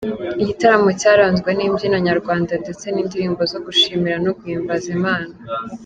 Igitaramo cyaranzwe n’imbyino nyarwanda ndetse n’indirimbo zo gushimira no guhimbaza Imana.